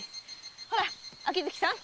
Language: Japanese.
ほら秋月さん！